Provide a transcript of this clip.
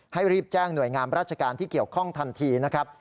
รีบแจ้งหน่วยงามราชการที่เกี่ยวข้องทันทีนะครับ